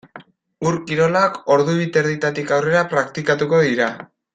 Ur-kirolak ordu bi eta erdietatik aurrera praktikatuko dira.